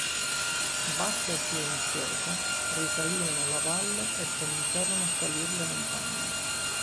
Bassa e silenziosa, risalirono la valle e cominciarono a salir le montagne.